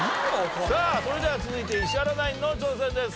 さあそれでは続いて石原ナインの挑戦です。